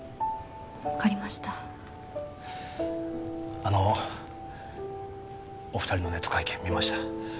分かりましたあのお二人のネット会見見ました